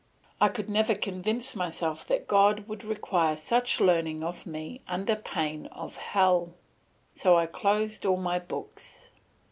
I could never convince myself that God would require such learning of me under pain of hell. So I closed all my books.